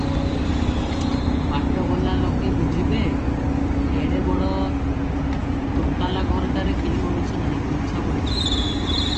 ବାଟ ଗଲା ଲୋକେ ବୁଝିବେ, ଏଡେ ବଡ ଦୋତାଲା ଘରଟାରେ କେହି ମଣିଷ ନାହିଁ, ତୁଚ୍ଛା ପଡିଛି ।